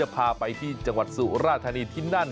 พาไปที่จังหวัดสุราธานีที่นั่น